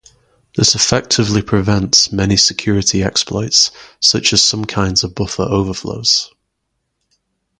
This effectively prevents many security exploits, such as some kinds of buffer overflows.